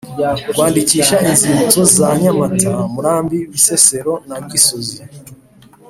kwandikisha inzibutso za nyamata murambi bisesero na gisozi